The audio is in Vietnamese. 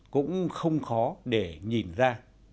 cũng không khó để nhìn ra